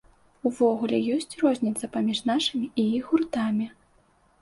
Увогуле, ёсць розніца паміж нашымі і іх гуртамі?